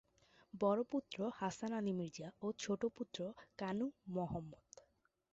বর পুত্র হাসান আলি মির্জা ও ছোট পুত্র কানু মহম্মদ